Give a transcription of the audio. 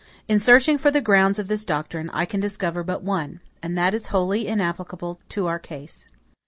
In searching for the grounds of this doctrine, I can discover but one, and that is wholly inapplicable to our case.